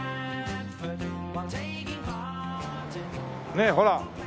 ねえほら